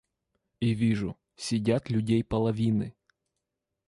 И вижу: сидят людей половины.